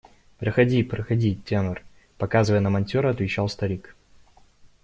– Проходи, проходи, тенор, – показывая на монтера, отвечал старик.